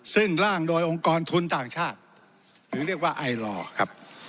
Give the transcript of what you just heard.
ซึ่งร่างโดยองค์กรทุนต่างชาติหรือเรียกว่าไอลอร์ครับ